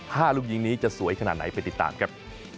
ลูกยิงนี้จะสวยขนาดไหนไปติดตามครับ